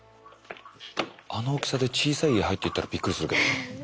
あの大きさで小さい家入っていったらびっくりするけどね。